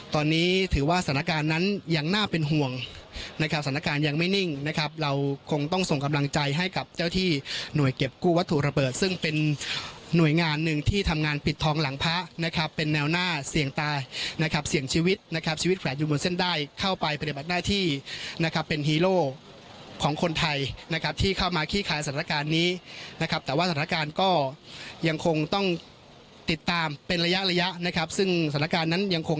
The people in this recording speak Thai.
ตอนนี้ถือว่าสถานการณ์นั้นยังน่าเป็นห่วงนะครับสถานการณ์ยังไม่นิ่งนะครับเราคงต้องส่งกำลังใจให้กับเจ้าที่หน่วยเก็บกู้วัตถุระเบิดซึ่งเป็นหน่วยงานหนึ่งที่ทำงานปิดท้องหลังพระนะครับเป็นแนวหน้าเสี่ยงตายนะครับเสี่ยงชีวิตนะครับชีวิตแขวดอยู่บนเส้นด้ายเข้าไปปฏิบัติได้ที่นะครับเป็นฮีโรของ